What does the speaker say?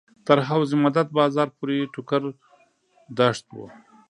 تر حوض مدد بازار پورې ټوکر دښت و.